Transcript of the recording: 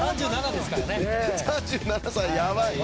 ３７歳ですからね。